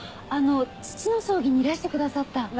あの父の葬儀にいらしてくださった。